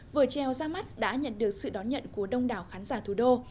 vở trèo ra mắt đã nhận được sự đón nhận của đông đảo khán giả thủ đô